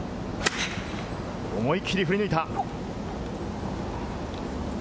思い切り振り抜いた。